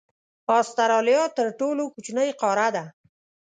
استرالیا تر ټولو کوچنۍ قاره ده.